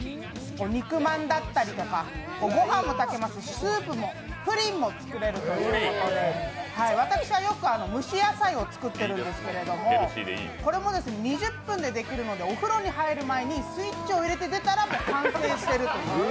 肉まんだったりとか、ご飯も炊けますし、スープもプリンも作れるということで私はよく蒸し野菜を作ってるんですけどこれも２０分でできるのでお風呂に入る前にスイッチを入れて、出たらもう完成してるという。